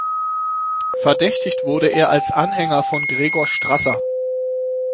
Verdächtigt wurde er als Anhänger von Gregor Strasser.